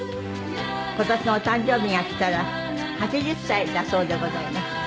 今年のお誕生日がきたら８０歳だそうでございます。